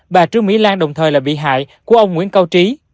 bà trương mỹ lan đồng thời là bị hại của ông nguyễn cao trí